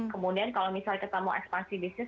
kemudian kalau misalnya kita mau ekspansi bisnis